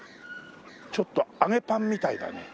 ちょっと揚げパンみたいだね。